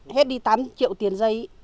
hết đi tám triệu tiền dây